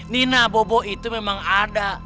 nina bobo itu memang ada